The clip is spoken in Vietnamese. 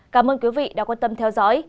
cảm ơn quý vị đã quan tâm theo dõi